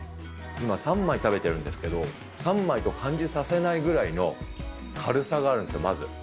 今、３枚食べてるんですけど、３枚と感じさせないぐらいの軽さがあるんですよ、まず。